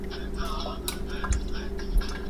زه به اوږده موده سبا ته فکر کړی وم!